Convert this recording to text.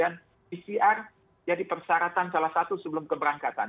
dan pcr jadi persyaratan salah satu sebelum keberangkatan